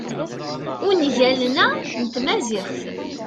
ungalen-a n tmaziɣt